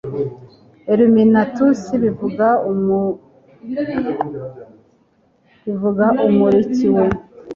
illuminatusi bivuga 'umurikiwe